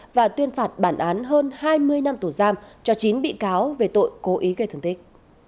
và tuyên phạt bản án hơn hai mươi năm tù giam cho chín bị cáo về tội cố ý gây thương tích